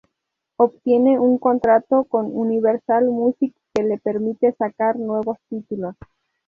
Obtiene un contrato con Universal Music que le permite sacar nuevos títulos.